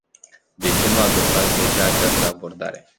De ce nu adoptați deja această abordare?